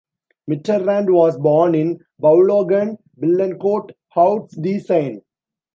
Mitterrand was born in Boulogne-Billancourt, Hauts-de-Seine.